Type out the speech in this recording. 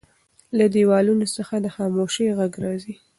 له دیوالونو څخه د خاموشۍ غږ راځي.